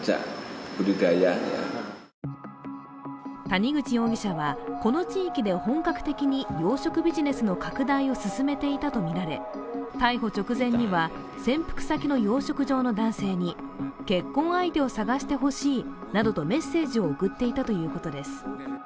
谷口容疑者は、この地域で本格的に養殖ビジネスの拡大を進めていたとみられ逮捕直前には潜伏先の養殖場の男性に結婚相手を探してほしいなどとメッセージを送っていたということです。